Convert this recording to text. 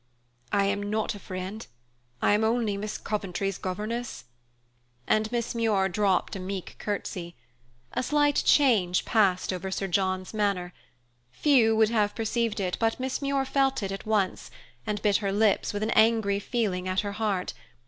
"I am not a friend. I am only Miss Coventry's governess." And Miss Muir dropped a meek curtsy. A slight change passed over Sir John's manner. Few would have perceived it, but Miss Muir felt it at once, and bit her lips with an angry feeling at her heart.